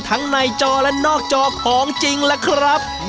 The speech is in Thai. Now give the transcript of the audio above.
ในจอและนอกจอของจริงล่ะครับ